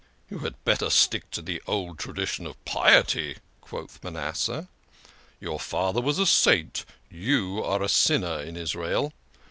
"You had better stick to the old tradition of piety," quoth Manasseh. " Your father was a saint, you are a sin ner in Israel.